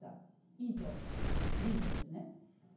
委員長、事実ですね。